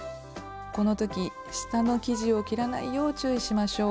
この時下の生地を切らないよう注意しましょう。